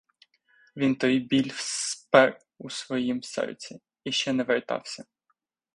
Він той біль спер у своїм серці і ще не вертався.